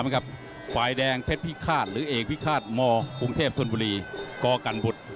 แห่งเพชรพิฆาตหรือเอกพิฆาตมภูมิเทพธุลบุรีกกันบุษ